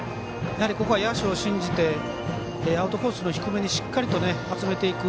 ここは野手を信じてアウトコースの低めにしっかりと集めていく。